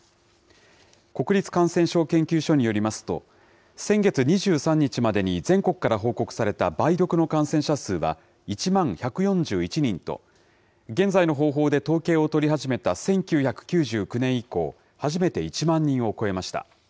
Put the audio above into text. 国立感染症研究所によりますと、先月２３日までに全国から報告された梅毒の感染者数は１万１４１人と、現在の方法で統計を取り始めた１９９９年以降、初めて１万人を超えました。